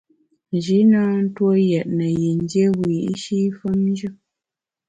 Nji na ntue yètne yin dié wiyi’shi femnjù.